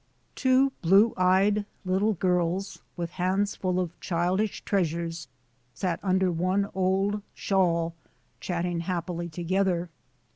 Two blue eyed little girls, with hands full of childish treasures, sat under one old shawl, chatting happily together.